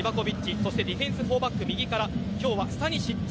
そしてディフェンス４バック今日はスタニシッチ。